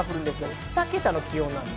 ２桁の気温です。